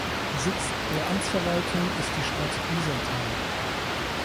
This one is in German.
Sitz der Amtsverwaltung ist die Stadt Biesenthal.